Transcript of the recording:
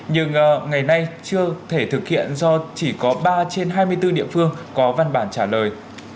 nhưng ngày nay chưa thể thực hiện do chỉ có ba trên hai mươi bốn địa phương có văn bản trả lời